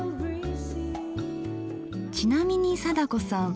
ちなみに貞子さん